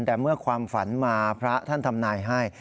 แต่เมื่อความฝันมาพระท่านทำนายให้